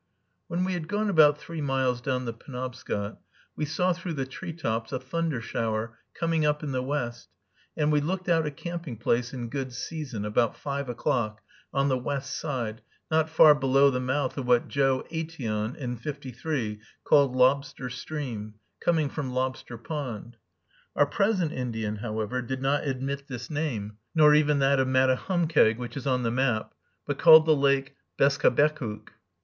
When we had gone about three miles down the Penobscot, we saw through the tree tops a thunder shower coming up in the west, and we looked out a camping place in good season, about five o'clock, on the west side, not far below the mouth of what Joe Aitteon, in '53, called Lobster Stream, coming from Lobster Pond. Our present Indian, however, did not admit this name, nor even that of Matahumkeag, which is on the map, but called the lake Beskabekuk.